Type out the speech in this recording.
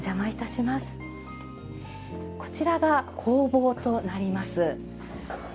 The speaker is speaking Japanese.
こちらが工房となります。